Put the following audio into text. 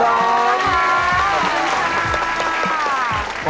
ขอบคุณมาก